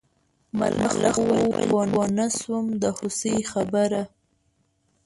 ملخ وویل پوه نه شوم د هوسۍ خبره.